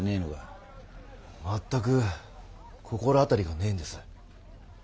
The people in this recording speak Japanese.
全く心当たりがねえんです。